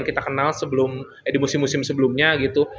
gak ada pergerahan tanpa bola yang kita kenal di musim musim sebelumnya gitu